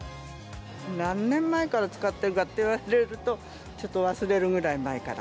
何年前から使っているかって言われると、ちょっと忘れるぐらい前から。